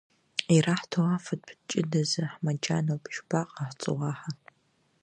Ираҳҭо афатә ҷыдазы ҳмаџьаноуп, ишԥаҟаҳҵо уаҳа?